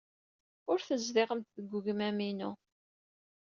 Ur tezdiɣemt deg wegmam-inu.